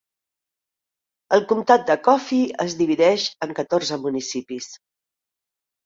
El comtat de Coffey es divideix en catorze municipis.